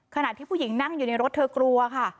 ขณะที่ผู้หญิงนั่งอยู่ในรถเธอกลัวค่ะ